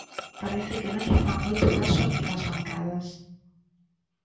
Parece que non lle fan moito caso aquí nas bancadas.